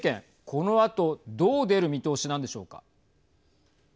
このあとどう出る見通しなんでしょうか。